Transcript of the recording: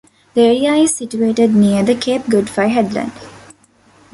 The area is situated near the Cape Guardafui headland.